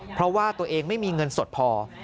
เพราะว่าตัวเองไม่มีเงินสดพอ